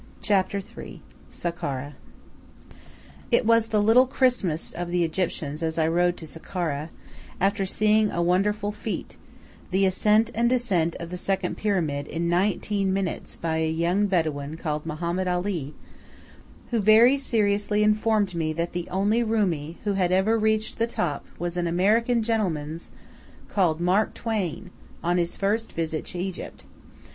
III SAKKARA It was the "Little Christmas" of the Egyptians as I rode to Sakkara, after seeing a wonderful feat, the ascent and descent of the second Pyramid in nineteen minutes by a young Bedouin called Mohammed Ali who very seriously informed me that the only Roumi who had ever reached the top was an "American gentlemens" called Mark Twain, on his first visit to Egypt.